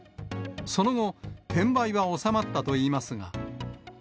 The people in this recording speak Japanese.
その後、転売は収まったといいますが。